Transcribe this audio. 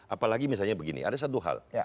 apalagi misalnya begini ada satu hal